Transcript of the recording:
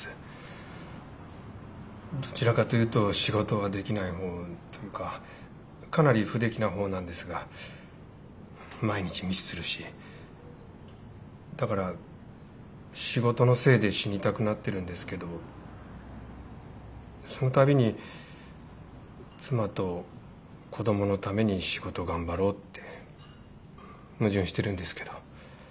どちらかというと仕事はできない方というかかなり不出来な方なんですが毎日ミスするしだから仕事のせいで死にたくなってるんですけどその度に妻と子供のために仕事頑張ろうって矛盾してるんですけど。